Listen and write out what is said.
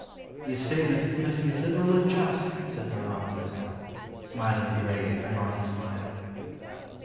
"He is famous because he is liberal and just," said Bahram Mirza, smiling a grave, ironic smile.